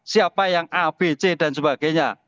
siapa yang abc dan sebagainya